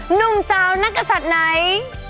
หนุ่มสาวนักศัตริย์ไหน